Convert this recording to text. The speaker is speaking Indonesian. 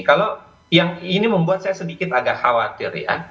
kalau yang ini membuat saya sedikit agak khawatir ya